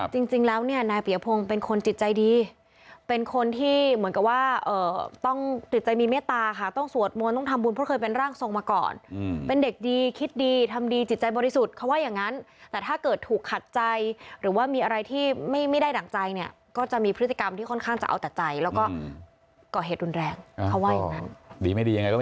จริงแล้วนายเปียโพงเป็นคนจิตใจดี